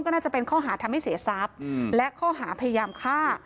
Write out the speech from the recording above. ก็น่าจะเป็นข้อหาทำให้เสียทรัพย์และข้อหาพยายามฆ่า